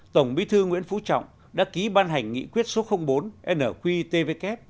tổng bí thư nguyễn phú trọng đã ký ban hành nghị quyết số bốn nqtvk